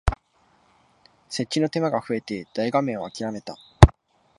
設置の手間が増えて大画面をあきらめた